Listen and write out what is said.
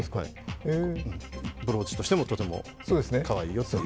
へえブローチとしてもとてもかわいいよと。